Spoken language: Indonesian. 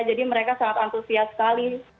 jadi mereka sangat antusias sekali